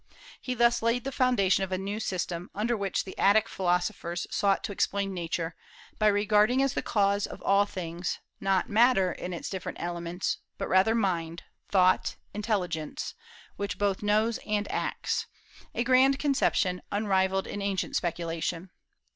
He thus laid the foundation of a new system, under which the Attic philosophers sought to explain Nature, by regarding as the cause of all things, not matter in its different elements, but rather mind, thought, intelligence, which both knows and acts, a grand conception, unrivalled in ancient speculation.